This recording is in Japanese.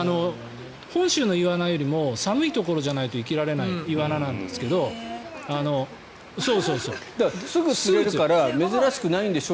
本州のイワナよりも寒いところじゃないと生きられないイワナなんですがすぐ釣れるから珍しくないんでしょ？